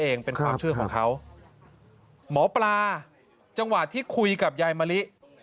เองเป็นความเชื่อของเขาหมอปลาจังหวะที่คุยกับยายมะลิ